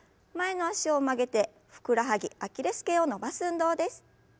前の脚を曲げてふくらはぎアキレス腱を伸ばす運動です。